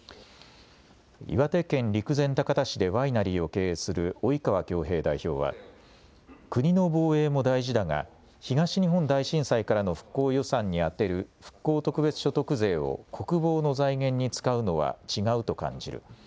岩手県陸前高田市でワイナリーを経営する及川恭平代表は、国の防衛も大事だが東日本大震災からの復興予算に充てる復興特別所得税を国防の財源に使うのは違うと感じる。